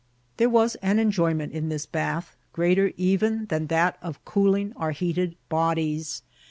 There was an enjoyment in this bath greater even than that of cooling our heated bodies.